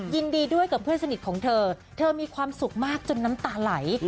ยินดีด้วยกับเพื่อนสนิทของเธอเธอมีความสุขมากจนน้ำตาไหล